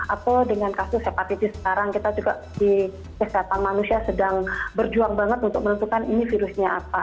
atau dengan kasus hepatitis sekarang kita juga di kesehatan manusia sedang berjuang banget untuk menentukan ini virusnya apa